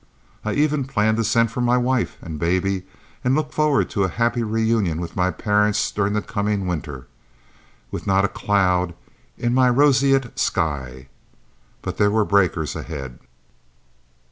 I even planned to send for my wife and baby, and looked forward to a happy reunion with my parents during the coming winter, with not a cloud in my roseate sky. But there were breakers ahead.